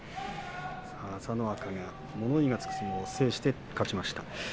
朝乃若、物言いがつく相撲を制しました。